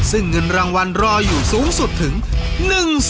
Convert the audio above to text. ซึ่งเงินรางวัลรออยู่สูงสุดถึง